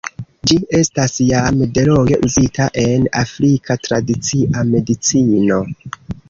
Ĝi estas jam delonge uzita en afrika tradicia medicino.